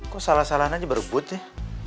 kok salah salahan aja baru butuh